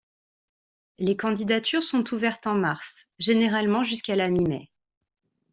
Les candidatures sont ouvertes en mars, généralement jusqu'à la mi-mai.